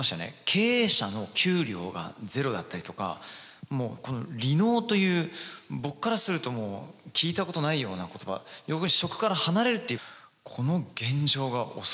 経営者の給料がゼロだったりとかもうこの離農という僕からするともう聞いたことないような言葉職から離れるっていうこの現状が恐ろしい。